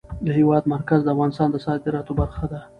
د هېواد مرکز د افغانستان د صادراتو برخه ده.